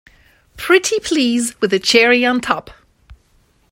Pretty please with a cherry on top!